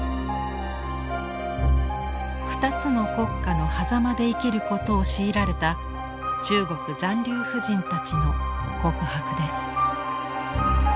二つの国家のはざまで生きることを強いられた中国残留婦人たちの告白です。